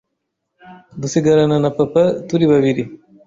dusigarana na papa turi babiri